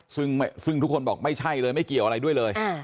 ซึ่งทุกคนบอกไม่ใช่เลยไม่เกี่ยวอะไรด้วยเลย